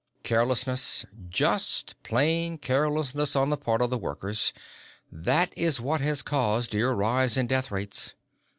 "Carelessness. Just plain carelessness on the part of the workers. That is what has caused your rise in death rates.